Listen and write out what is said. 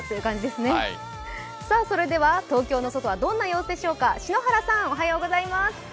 それでは東京の外はどんな様子でしょうか。